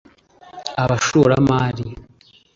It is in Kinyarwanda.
abashoramari